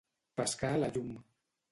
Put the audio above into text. Pescar a la llum.